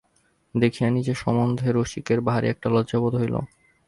দেখিয়া নিজের সম্বন্ধে রসিকের ভারি একটা লজ্জা বোধ হইল।